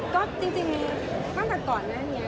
ก็จริงเนี่ยตั้งแต่ก่อนอนี้